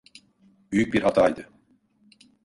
Büyük bir hataydı.